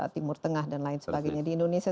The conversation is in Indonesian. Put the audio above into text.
timur tengah dan lain sebagainya di indonesia